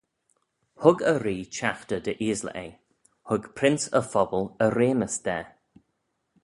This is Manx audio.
Hug y ree chaghter dy eaysley eh: hug prince y phobble e reamys da.